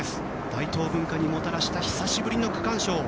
大東文化にもたらした久しぶりの区間賞。